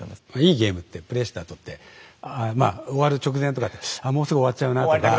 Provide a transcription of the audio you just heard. いいゲームってプレイしたあとってあまあ終わる直前とかに「あもうすぐ終わっちゃうなあ」とか。